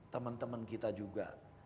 teman teman kita juga